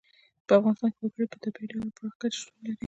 په افغانستان کې وګړي په طبیعي ډول او پراخه کچه شتون لري.